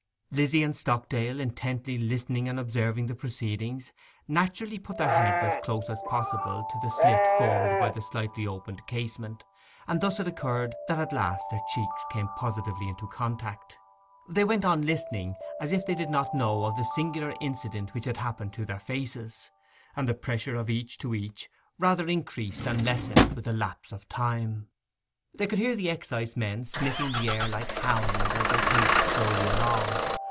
Lizzy and Stockdale, intently listening and observing the proceedings, naturally put their heads as close as possible to the slit formed by the slightly opened casement; and thus it occurred that at last their cheeks came positively into contact. They went on listening, as if they did not know of the singular incident which had happened to their faces, and the pressure of each to each rather increased than lessened with the lapse of time. They could hear the excisemen sniffing the air like hounds as they paced slowly along.